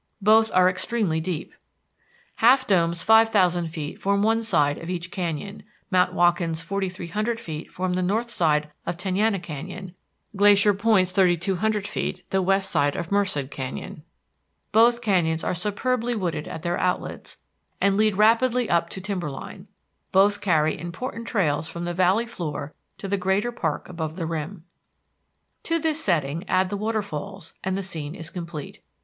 Both are extremely deep. Half Dome's 5,000 feet form one side of each canyon; Mount Watkin's 4,300 feet form the north side of Tenaya Canyon, Glacier Point's 3,200 feet the west side of Merced Canyon. Both canyons are superbly wooded at their outlets, and lead rapidly up to timber line. Both carry important trails from the Valley floor to the greater park above the rim. To this setting add the waterfalls and the scene is complete.